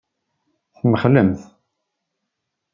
Temxellemt.